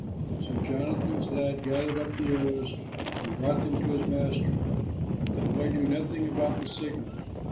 So Jonathan's lad gathered up the arrows, and brought them to his master. But the boy knew nothing about the signal.